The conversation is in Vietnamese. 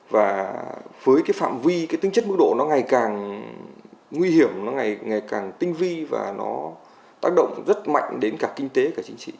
và với cái phạm vi cái tinh chất mức độ nó ngày càng nguy hiểm nó ngày càng tinh vi và nó tác động rất mạnh đến cả kinh tế cả chính trị